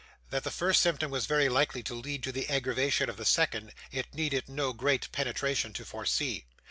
That the first symptom was very likely to lead to the aggravation of the second, it needed no great penetration to foresee.